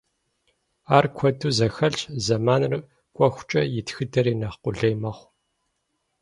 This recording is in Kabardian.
Ар куэду зэхэлъщ, зэманыр кӏуэхукӏэ и тхыдэри нэхъ къулей мэхъу.